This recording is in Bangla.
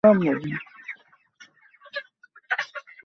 ওরা নিজেদের কী ভাবে?